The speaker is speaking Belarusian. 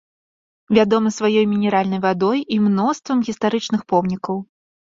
Вядомы сваёй мінеральнай вадой і мноствам гістарычных помнікаў.